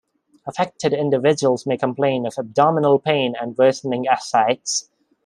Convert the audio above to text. Affected individuals may complain of abdominal pain and worsening ascites.